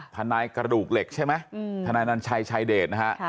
ทนายกระดูกเหล็กใช่ไหมทนายนัญชัยชายเดชนะฮะ